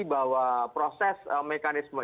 bahwa proses mekanisme